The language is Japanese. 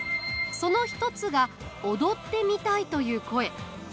そのひとつが踊ってみたいという声。